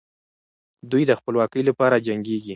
دوی د خپلواکۍ لپاره جنګېږي.